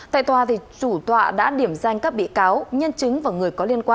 tại tòa chủ tọa đã điểm danh các bị cáo nhân chứng và người có